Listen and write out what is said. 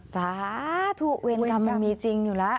สาธุเวรกรรมมันมีจริงอยู่แล้ว